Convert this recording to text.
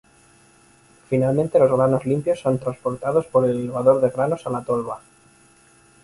Finalmente los granos limpios son transportados por el elevador de granos a la tolva.